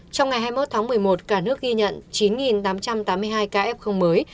trong ngày hai mươi một tháng một mươi một cả nước ghi nhận chín tám trăm tám mươi hai ca f mới